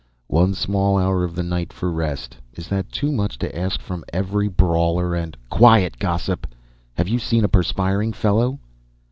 "One small hour of the night for rest. Is that too much to ask from every brawler and " "Quiet, gossip! Have you seen a perspiring fellow?"